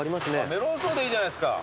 メロンソーダいいじゃないですか。